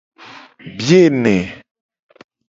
Biye ne.